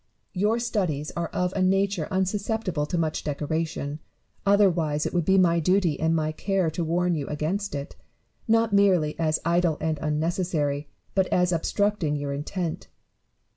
Your studies are of a nature unsusceptible of much decoration : otherwise it would be my duty and my care to warn you against it, not merely as idle and unnecessary, but as obstructing your intent.